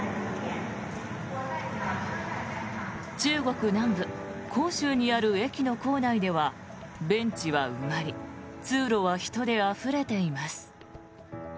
中国南部、広州にある駅の構内ではベンチは埋まり通路は人であふれています。